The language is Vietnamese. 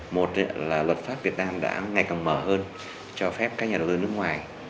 một là luật pháp việt nam đã ngày càng mở hơn cho phép các nhà đầu tư nước ngoài